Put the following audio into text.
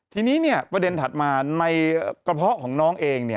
ทีนี้ประเด็นถัดมาในกระเพาะของน้องเอง